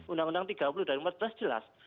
undang undang tiga puluh dan empat belas jelas